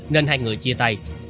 nên hai người chia tay